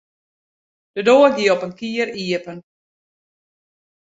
De doar gie op in kier iepen.